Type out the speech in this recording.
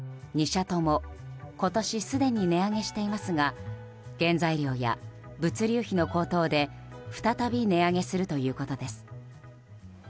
２社とも、今年すでに値上げしていますが原材料や物流費の高騰で再び値上げするということです。